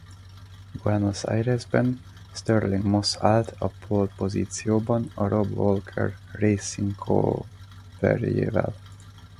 Buenos Airesben Stirling Moss állt a pole-pozícióban a Rob Walker Racing Cooperjével.